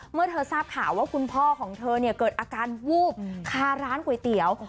เมื่อเธอทราบข่าวว่าคุณพ่อของเธอเนี่ยเกิดอาการวูบคาร้านก๋วยเตี๋ยว